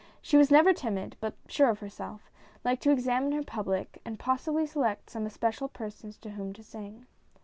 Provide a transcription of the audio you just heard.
She was never timid, but sure of herself, liked to examine her public and possibly select some especial persons to whom to sing.